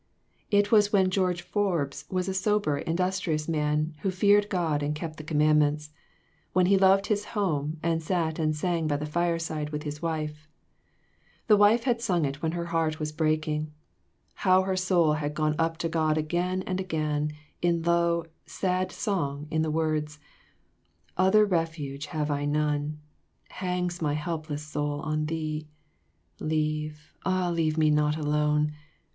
It was when George Forbes was a sober, industrious man, who feared God and kept the commandments ; when he loved his home and sat and sang by the fireside with his wife. The wife had sung it when her heart was break ing. How her soul had gone up to God again and again in low, sad song in the words "Other refuge have I none, Hangs my helpless soul on thee; Leave, ah leave me not alone!